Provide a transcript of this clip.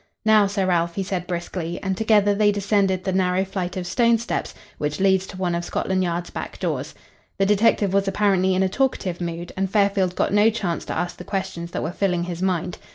"Now, Sir Ralph," he said briskly, and together they descended the narrow flight of stone steps which leads to one of Scotland Yard's back doors. The detective was apparently in a talkative mood, and Fairfield got no chance to ask the questions that were filling his mind.